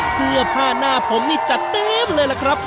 เสื้อผ้าหน้าผมนี่จัดเต็มเลยล่ะครับ